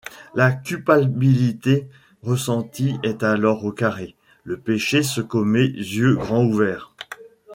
La culpabilité ressentie est alors au carré, le péché se commet yeux grand ouverts.